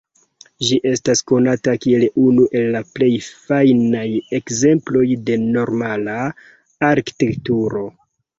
Ĝi estas konata kiel unu el la plej fajnaj ekzemploj de normana arkitekturo.